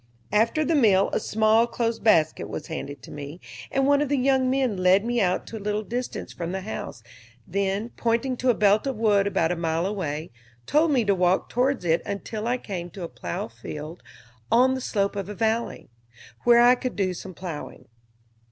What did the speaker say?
After the meal a small closed basket was handed to me, and one of the young men led me out to a little distance from the house, then, pointing to a belt of wood about a mile away, told me to walk towards it until I came to a plowed field on the slope of a valley, where I could do some plowing.